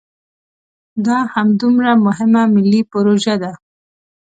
دا همدومره مهمه ملي پروژه ده.